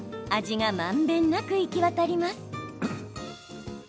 味がまんべんなく行き渡ります。